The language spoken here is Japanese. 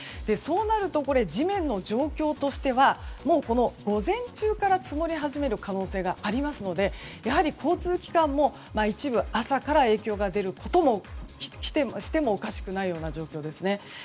そうなると、地面の状況としてはもう午前中から積もり始める可能性がありますのでやはり交通機関も一部、朝から影響が出たとしてもおかしくない状況ですね。